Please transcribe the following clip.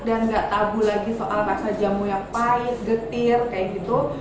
dan enggak tabu lagi soal rasa jamu yang pahit getir kayak gitu